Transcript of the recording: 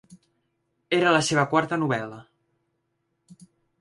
Era la seva quarta novel·la.